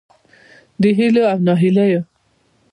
د هیلو او نهیلیو